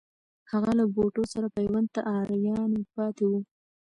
هغه له بوټو سره پیوند ته آریان پاتې وو.